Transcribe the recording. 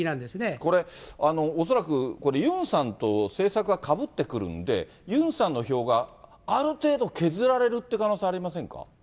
これ、恐らくユンさんと政策はかぶってくるんで、ユンさんの票が、ある程度、削られるっていう可能性ありませんか。